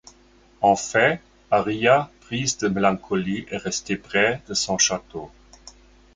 En fait Aria prise de mélancolie est restée près de son château.